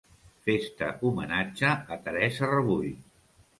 Festa homenatge a Teresa Rebull.